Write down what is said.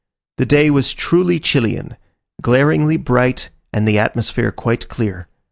The day was truly Chilian: glaringly bright, and the atmosphere quite clear.